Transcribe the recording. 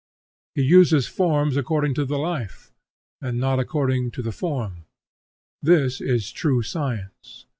He uses forms according to the life, and not according to the form. This is true science.